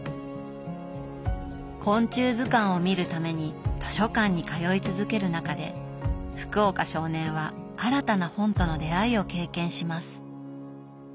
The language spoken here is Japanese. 昆虫図鑑を見るために図書館に通い続ける中で福岡少年は新たな本との出会いを経験します。